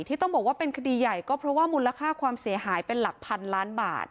ที่ต้องบอกว่าเป็นคดีใหญ่ก็เพราะว่ามูลค่าความเสียหายเป็นหลักพันล้านบาท